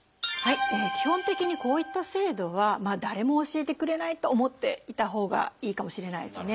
基本的にこういった制度は誰も教えてくれないと思っていたほうがいいかもしれないですよね。